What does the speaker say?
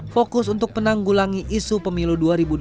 fokus untuk penanggulangi isu pemilu dua ribu dua puluh